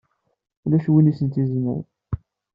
Ulac win i sent-izemren!